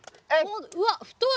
うわっ太い！